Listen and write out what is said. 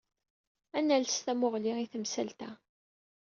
Ad nales tamuɣli i temsalt-a.